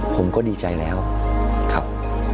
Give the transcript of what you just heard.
ผมก็ดีใจแล้วครับ